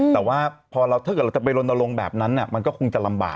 แต่ว่าพอถ้าเกิดเราจะไปลนลงแบบนั้นมันก็คงจะลำบาก